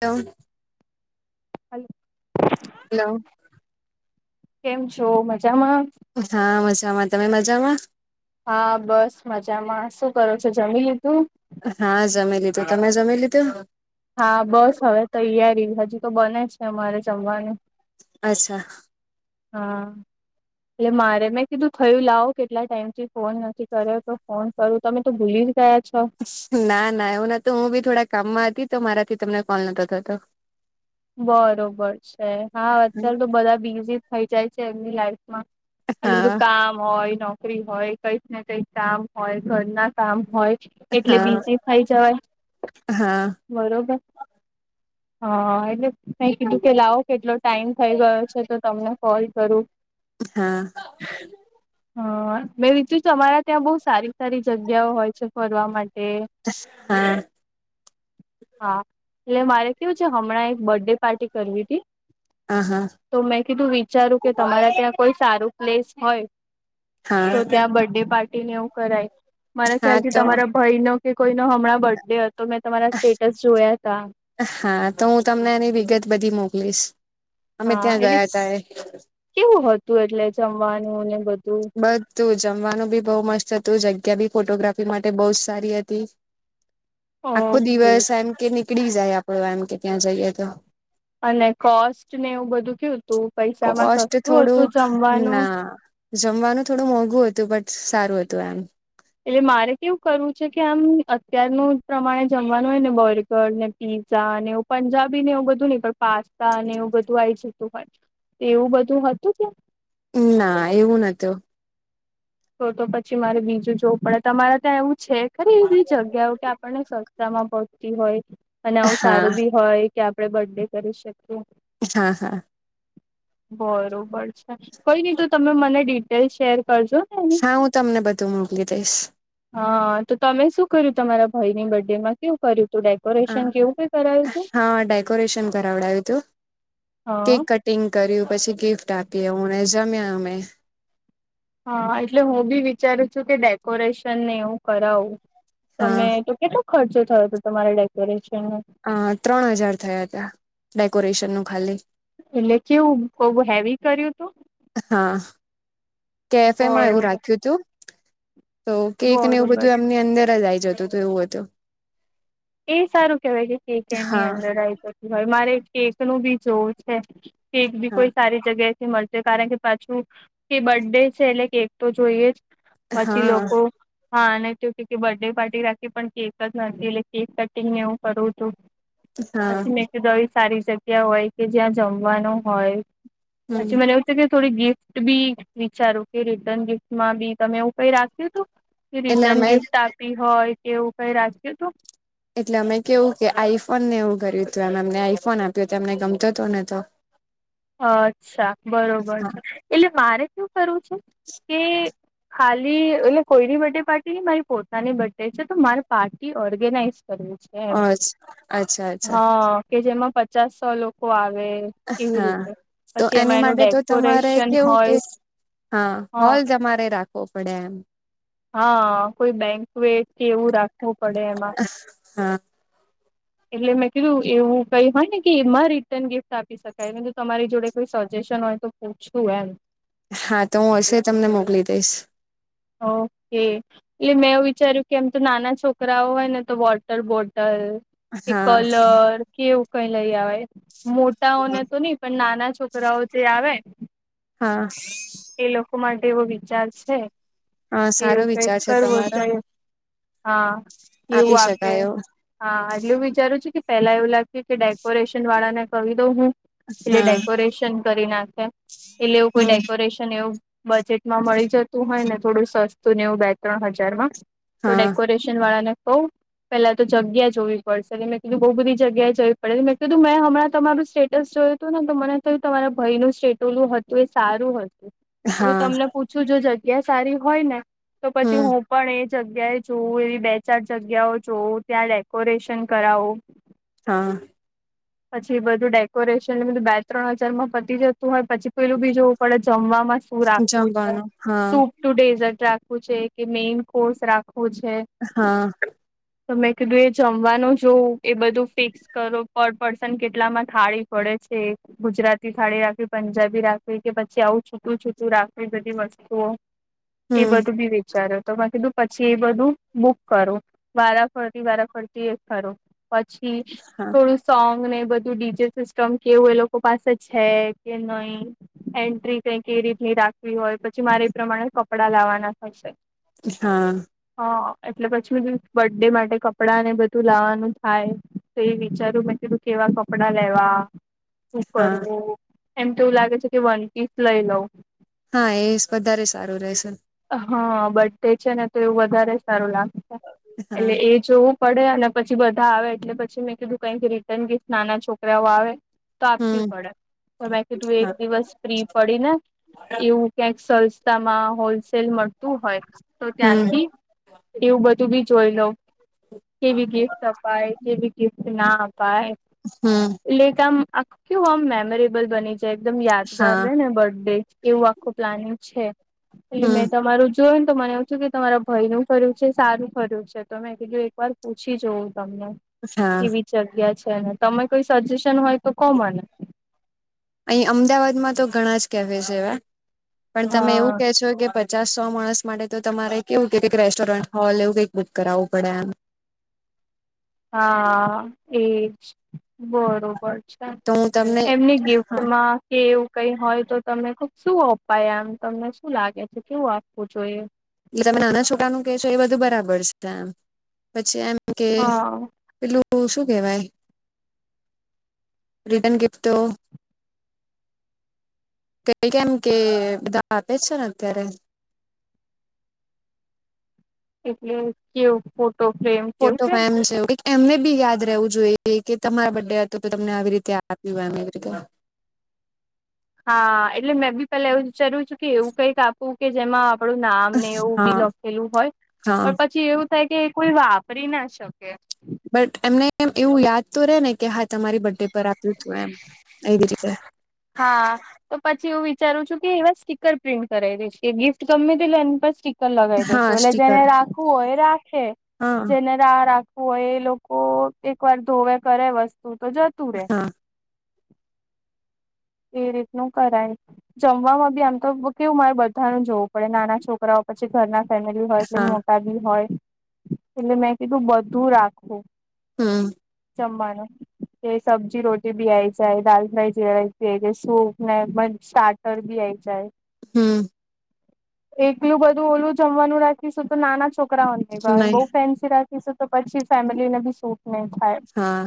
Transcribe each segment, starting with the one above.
એમ. Hello. Hello. કેમ છ મજા. હા મજામાં તમે મજામાં. હા બસ મજામાં શું કરો છો જમી લીધું. હા જમેી લીધું તમે જમેી લીધું. હા બસ હવે તો યારી હજુ તો બને છે અમારે જમવાનું. અચ્છા. હા. એટલે મારે મેં કીધું થયું લાવો કેટલા ટાઈમ થી ફોન નથી કર્યો તો ફોન કરું તમે તો ભૂલી. ગયા છો ના ના એવું નતું હું બી થોડા કામમાં હતી તો મારાથી તમને કોલ નતો થતો. બરોબર છે હા અત્યારે તો બધા બિઝી થઈ જાય છે એમની લાઈફ. એલું બધું હા કામ હોય ન. નોકરી હોય કઈક ને કઈક કામ હોય ઘર ના કામ હોય. એટલે હા બીજી ખાઈ જવાય હા બરોબર. હા. એ મે કીધું કે લાવો કેટલો ટાઈમ થઈ ગયો છે તો તમને કોલ કરું. હા હા મેં રીતુ તમારા ત્યાં બહ સારી. સારી જગ્યાઓ હોય છે ફરવા માટે. હા હા એટલે મારે કેવું છે. બર્ડે પાર્ટી કરવી હતી હા હા તો મેં કીધું વિચારું કે તમારા ત્યાં કોઈ સારું. પ્લેસ હોય હા તો ત્યાં બર્ ડે પાર્ટી ને એવું કરાય. મારા હા ખ્યાલથી તો તમારા ભાઈ નો કે કોઈ ન હમણાં બર્થડે હતો. તો મેં તમારા સ્ટેટસ જોયા ત. ત બધી મોકલીશ. અમે હા ત્યાં એટલે ગયા તા એ કેવું હતું એટલે જમવાનું ને બધું. તું જમવાનું બી બહુ મસ્ત હતું જગ્યા બી ફોટોગ્રાફી માટે બહ જ સારી હતી. આખો ઓકે દિવસ એમ કે નીકળી જાય આપડો એમ કે ત્યાં જઈએ તો. અને કોસ્ટ ને એવું બધું કેવું. તું પૈસામાં કોસ્ટ સસ્તું હતું થોડું જમવાનું ના જમવાનું થોડું મોંઘું હતું બટ. સારું હતું એમ. એટલે મારે કેવું કરવું છે કે આમ અત્યારનું પ્રમાણે જમવાનું હોય ને બોરગર ને પી. પીઝા અને એવુંંજાબી ને એવું બધું નહીં પણ પાસ્તા એવું બધું આવી જતું હો. એવું બધું હતું કેમ. ના એવું નતું. તો તો પછી મારે બીજું જોવું પડે તમારે ત્યાં એવું છે ખરી એવી જગ્યાઓ કે આપણને. માં પહચતી હોય અને આવું હા સારું બી હોય કે આપણે બર્ ડે કરી શકીએ. હા હા. બરોબર છે કોઈ નહી તો તમે મને ડિટેલ શેર કરજો. હા હું તમને બધું મોકલી દઈશ હા તો તમે શું કર્યું તમારા. ભય ની બર્થ ડે માં કેવું કર્યું. તું ડેકોરેશન કેવું કઈ કરાયું હ તું? હા ડેકોરેશન કરાવડાવ્યું હતું. કેક હા કટિંગ કર્યું પછી ગિફ્ટ આપી હુંને જમ્યા અમે. હા એટલે હું બી વિચારું છું કે ડેકોરેશન ને એવું કરાવું. હા તમે તો કેટલો ખર્ચો થયો હતો તમારે ડેકોરેશન. અ ત્રણ હજાર થયા ત ડેકોરેશન નું ખાલી. એટલે કેવું બહ હેવી કર્યું. તું? હા કેફેમાં એવું બરોબર. રાખ્યું હતું. તો કેક ને એવું બરોબર બધું એમની અંદર જ આ આવી જતું હત એવું હતું. એ સારું કેવાય છે કે એમની હા અંદર આ તો. તમારે કેક નું બી જોવું છે કેક બી હા કોઈ સારી જગ્યા. મળ કારણ કે પાછું કે બર્ ડે છે એટલે કેક તો જોઈએ જ. પછી હા લોકો હા અને કે બર્થડે પાર્ટી રાખી પણ કેક જ નથી એલે. કેક કટિંગને એવું કરવું હતું હા પછી મે દશ. સારી જગ્યા હોય કે જ્યાં જમવાનું હોય હમ પછી મને એવું થ કે. થોડી ગિફ્ટ બી વિચારો કે રિટર્ન ગિફ્ટમાં બી તમે એવું કઈ રાખ્યું હતું. કે એટલે રિટર્ન અમે ગિફ્ટ આપી હોય કે એવું કઈ રાખએ તોું. ફોન ને એવું કર્યું હતું એમ એમને આઈફોન આપ્યો ત અમને ગમતો હતો નનેતો. અચ્છા બરોબર છે એટલે મારે શું કરવું છે કે. ખાલી એટલે કોઈની બર્થ ડે પાર્ટી મારી પોતાની બર્થ ડે છે તો મારી પાર્ટી ઓર્ગેનાઈઝ. કર છે એ અછ અચ્છા અચ્છા હા. કે જેમાં પચાસ સો લોકો આવે એવી હા રીતે. તો પછી એમાં એની એનું માટે તો તમારે ડેકોરેશન કેવું કે હોય હા હોલ તમારે રાખ. ફપડામ. હા કોઈ બેંક વે કે એવું રાખવું પડે એમાં. હા એટલે મેં કીધું એવું કઈ હોય ને કે એમાં રિટર્ન ગિફ્ટ આપી શકાય તમારી જોડે કોઈ સ. સેશન હોય તો પૂછતું એમ. હા તો હું હશે તમને મોકલી દઈશ. ઓકે એટલે મેં એવું વિચાર્યું કે એમ તો નાના છોકરાઓ હોય ને તો વોટર બોટલ. કે હા કલર કેવું કઈ લઈ આવે મોટાઓને તો નહી પણ નાના. છોકરાઓ જે આવે હા. એ લોકો માટે એવો વિચાર છે, હા કે સારો એવું કઈક વિચાર છે કરવો તમારો જોઈ. હા, આપી એવું આપે શકાય એવો હા એટલે હું વિચારું છું, કે પેલા એવું લાગ્યું કે ડેકોરેશન વાળા ને ક દઉં હું. એટલે હા ડેકોરેશન કરી નાખે એટલે એવું કોઈ હમ ડેકોરેશન એવું બજેટમાં મળી જતું હોય, ને થોડું સસ્તું ને એવું બે, ત્રણ હજારમાં તો હા ડેકોરેશન વાળા ને કહું પેલા તો જગ્યા જોવી પડશે મેં કીધું બઉુ બધી જગ્યાએ જવી પડે મેં કીધું મેં હમણાં તમાર સેટસ જોઉ. જોય હતું ને મને તો તમારા ભય નું સ્ટેટોલું હતું એ સારું હતું. હા તમને પૂછું જો જગ્યા સારી હોય ને, તો પછી હમ હું પણ એજ જગ્યાએ જોવું એવી બે ચાર જગ્યાઓ જોવું ત્યાં ડેકોરેશન કરાવું. હા. પછી બધું ડેકોરેશન બધું બે ત્રણ હજાર માં પતી જશે. હોય પછી પેલું બી જોવું પડે જમવામાં શું રાખવું છે. જમવાનું હા સૂપ ટુ ડેઝટ રાખ પૂ છેે કે મેન કોર્સ રાખું? હા. તો મેં કીધું એ જમવાનું જોવું એ બધું ફિક્સ કરો પડ પર્સન કેટલામાં થાળી પડે છે. ગુજરાતી થાળી રાખવી, પંજાબી રાખવી કે પછી આવું છું છટું છૂટું રાખવી બધી વસ્તુઓ એ હમ બધું બી વિચારો તો મેં કીધું પછી એ બધું બુક કરું વારા ફરતી, વારા ફરતી એ કરું પછી હા થોડું. બુંડીજ સિસ્ટમ કેવું એ લોકો પાસે છે, કે નહી એન્ટ્રી ક કે રીતની રાખવી હોય, પછી મારે એ પ્રમાણે કપડા લાવવાના થશે. હા. હ, એટલે પછી બર્થ ડે માટે કપડાં ને બધું લાવાનું થાય તો એ વિચારું મેં પધું કેવા કપડા લેવા? શું હા કરવું? એમ તો એવું લાગે છે, કે વનપીસ લઈ લઉં. હા એ વધારે સારું રહેશે લઉં હા, બધધ છે ને તો એવું વધારે સારું લાગે છે, હા એટલે એ જોવું. પડે અને પછી બધા આવે એટલે પછી મેં કીધું ક કે રિટર્ન ગિફ્ટ નાના છોકરાઓ આવે તો હમ આપવી પડે તો મેં કીધું, હા એક દિવસ ફ્રી પડીને એવું ક્યાંક સરસ રસ્તામાં હોલસેલ મળતું હોય તો હમ ત્યાંથી એવું બધું બી જોઈ લોઉ. કેવી ગિફ્ટ અપાય કેવી ગિફ્ટ ના હમ એટલે કે આમ આુ આમ મેમોરેબલ બની જાય. યાદગાર હા ર ને બર્થ ડે એવું આખું પ્લાનિંગ છે, એટલે મે હમ તમારું જો ને તો મને એવું થું કે તમારા ભય નું ખર્યું છે, સારું ખર્યું છે તો ત મેં કીજું એક વાર પૂછી જવું. તમને હા એવી જગ્યા છે. ને તમે કોઈ સજેશન હોય, તો કોમને? અહી અમદાવાદમાં તો ઘણા જ કેફે છે. એવા પણ તમે હા એવું કેહે છો કે પ પચાસ સો માણસ માટે તો તમારે કેવું કે કઈક રેસ્ટોરન્ટ હોલ એવું કંઈક બુક કરાવવું પડે એમ. હા એજ બરોબર. તો હું તમને એમની ગિફ્ટમાં કે એવું કઈ હોય તો તમને ખુબ શું અપાય આમ તમને શું લાગે છે? કેવું આપવું જોઈએ? એ તમે નાના છોકાનું કેહે છો એ બધું બરાબર છે, એમ પછી એમ કે હા પેલું શું કેવાય રિટન ગિફ્ટ તો કઈ કેમ કે બધા આપે છે ને અત્યારે એટલે કેવું ફ્રેમ કેવું ફોટો કે એમ છેવ એમને બી યાદ રહેવું જોઈએ કે તમારા બર્ડે હતું તો તમને આવી રીતે આપ્યું એમ એવી રીતે હા એટલે મેં બી પેલા એવું વિચાર્યું છું કે એવું કઈક આપવું કે જેમાં આપડું નામ ને એવું બી હા લખેલું હોય હા પણ પછી એવું કે કોઈ વાપરી ના શકે બટ એમને એવું યાદ તો રે ને કે હા તમારી બડ ડે પર આપ્યું હતું એમ એ જ રીતે હા. તો પછી એવું વિચારું છું એવા સીકર પ્રિન્ટ કરય ડે છે ગિફ્ટ ગમે તે અને લગાવી દેસુ હા એટલે જેને સ્ટીકર રાખવું હોય રાખે હા જેને રાખ હોય એ લોકો એક વાર ધોવે કરે વસ્તુ તો જતું રે હા એ રીતનું કરાય જમવાવામાં બી આમ તો કેવું મારે બધાનું જોવું પડે નાના છોકરાઓ પછી ઘરના ફેમિલી હોય એટલે હા મોટા બી હોય એટલે મેં કીધું બધું રાખવું હમ જમવાનું જે સબ્જી રોટી બિ આઈ જાય છે દાાલ ફઈ જેરાય કે જે સૂપ ને પણ સ્ટાર્ટર બીય આવી જાય હમ એકલું બધું ઓલું જમવાનું રાખીશું તો નાના છોકરા છોકરાઓ નય ભાવે અને નહી બોવ ફેન્સી રાખીશું તો પછી ફેમિલીને બી સુટ નહી થાય [inaudible] હા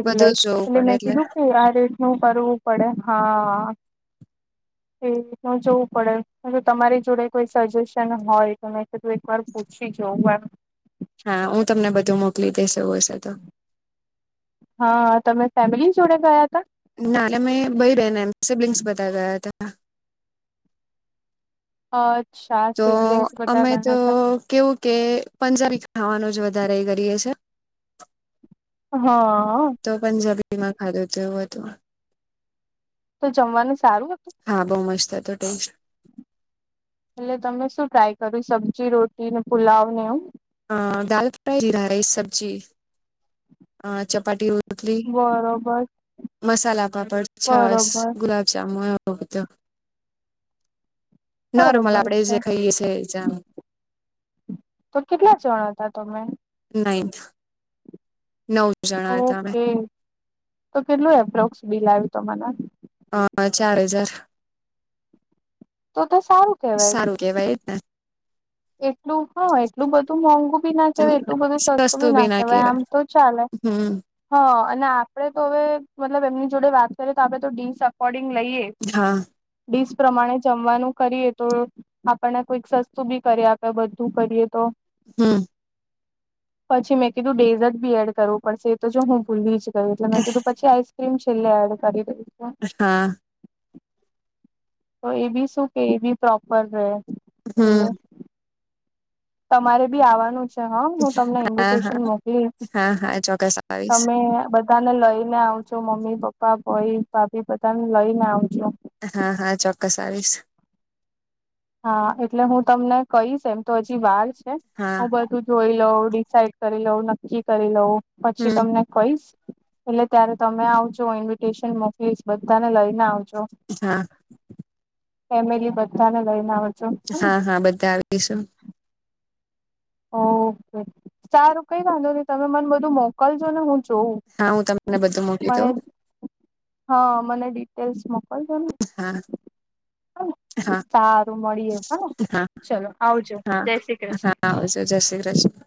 એટલે બધું જ જોવું એટલે પડે મેં કીધું કે આ રેટનું કરવું પડે હા એ જોવું પડે તમારી જોડે કોઈ સજેશન હોય તમે તું એક વાર પુછી જઉ હા હું તમને બધું મોકલી દઈશ એવું હસે તો હા તમે ફેમિલી જોડે ગયા હતા ના એટલે અમે ભય રને એ સિબ્લિંગ્સ બધા ગયા હતા હ તો અમે તો કેવું કે પંજાબી ખાવાનું જ વધારે વધારે કરીએ છીએ હ તો પંજાબીમાં ખાધુ હતું એવું બધું તો જમવાનુંશું હા બહુ મસ્ત તો ટેન્શન એટલે તમે શું ટ્રાય કર્યું સબ્જી રોટી ને પુલાવ ને એવું હા દાલ ફ્રાય જીરા રાઈસ સબ્જી અ ચપાટી ઉતલી બરોબર. મસાલા પાપડ છસ બરોબર ગુલાબજાબુ બ તો નોર્મલ બરોબર આપણેે જે છે ખાઈએ છે જામ તો કેટલા ચણ હતા તમે નાઈન નવ જણા હતા અમે ઓકે તો કેટલું એપ્રોક્સ બિલઆ યુતો મને અ ચાર હજાર તો તો સારું કેવાય સારું કેવાય એ જ ને એટલું હા એટલું બધું મોંઘું બી ના કેહેવાય એટલું બધું સસ્તું બી ના કેહેવાય આમ તો ચાલે હમ હા અને આપડે તો હવે મતલબ એમની જોડે વાત કરીએ તો આપડે તો ડીસ અકોર્ડિંગ લઈએ હા પ્રમાણે જમવાનું કરીએ તો આપણને કોઈક સસ્તું બી કરી આપણે બધું કરીએ તો હમ પછી મેં કીધું ડેઝર્ટ બી એડ કરવું પડશે એ તો જો હું ભૂલી જ યું એટલે મેં કીધું પછી આઈસક્રીમ છેલ્લે એડ કરી. છું હા. તો એ બી શું કે એ બી પ્રોપર રહે. એટલે હમ. તમારે બી આવવાનું છે હા હું તમને હા હા ઇન્વિટેશન મોકલીશ. હા હા ચોક્કસ આવીશ તમે બધાને લઈને આવ છો મમ્મી પપ્પા. કોઈ ભાભી બધાને લઈને આવજો. હા હા ચોક્કસ આવીશ. હા એટલે હું તમને કહીશ એમ તો હજી વાર છે હા હું બધું જોઈ લઉં. ડિસઇડ કરી લઉ નક્કી કરી લઉં પછી હમ તમને કઈશ. એટલે ત્યારે તમે આવજો ઇન્વિટેશન મોકલીશ બધાને લઈને આવજો. હા. ફેમિલી બધા ને લઈને. આવજો હા હા બધા આવીશું. ઓકે સારું કઈ વાંધો નહી તમે મને બધું મોકલજો ને હું. જોઉં હા હું તમને બધું મોકી દઉ. મને હા મને ડિટેલ્સ મોકલજો ને. હા હ હા સારું મળીએ હા ચલો આવજો હા જય શ્રી હા કૃષ્ણ. આવજો જય શ્રી કૃષ્ણ.